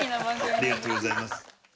ありがとうございます。